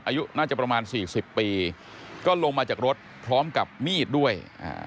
อายุน่าจะประมาณสี่สิบปีก็ลงมาจากรถพร้อมกับมีดด้วยอ่า